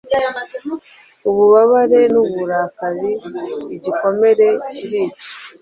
ububabare nuburakari Igikomere kirica